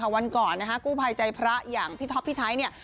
วันก่อนกู้ภัยใจพระพี่ท็อปพี่ไทย